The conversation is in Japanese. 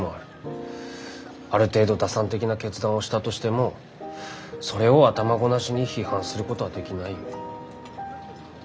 ある程度打算的な決断をしたとしてもそれを頭ごなしに批判することはできないよ。